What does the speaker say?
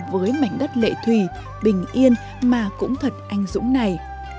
với mảnh đất lệ thủy bình yên mà cũng thật anh dũng này